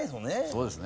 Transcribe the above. そうですね。